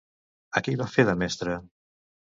A qui va fer de mestre?